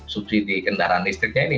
subsidi kendaraan listriknya ini